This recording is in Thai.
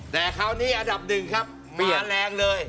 แต่คราวนี้อันดับ๑ครับมาแรงเลย